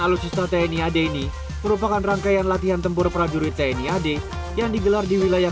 alutsista tni ad ini merupakan rangkaian latihan tempur prajurit tni ad yang digelar di wilayah